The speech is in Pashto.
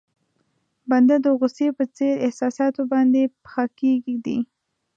بنده د غوسې په څېر احساساتو باندې پښه کېږدي.